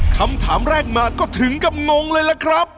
คำถามแรกมาก็ถึงกับงงเลยล่ะครับ